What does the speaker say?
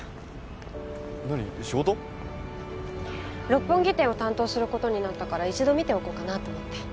六本木店を担当する事になったから一度見ておこうかなと思って。